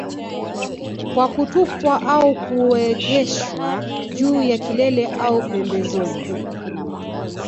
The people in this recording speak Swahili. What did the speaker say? Kwa kutupwa au huegeshwa juu ya kilele au pembezoni